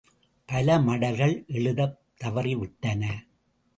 பல மடல்கள் எழுதத் தவறிவிட்டன.